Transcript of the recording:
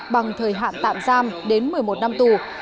bằng thời hạn tạm giam đến một mươi một năm tù